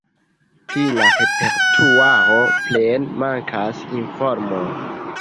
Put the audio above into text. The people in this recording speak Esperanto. Pri la repertuaro plene mankas informoj.